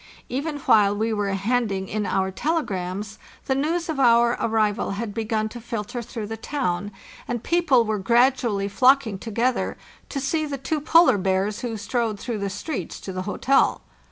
Even while we were handing in our telegrams the news of our arrival had begun to filter through the town, and people were gradually flocking together to see the two polar bears who strode through the streets to the hotel.